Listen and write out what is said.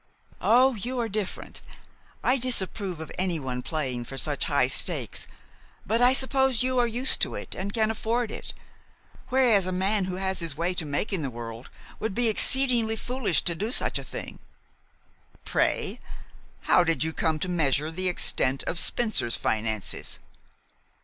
"Oh, you are different. I disapprove of anyone playing for such high stakes; but I suppose you are used to it and can afford it, whereas a man who has his way to make in the world would be exceedingly foolish to do such a thing." "Pray, how did you come to measure the extent of Spencer's finances?"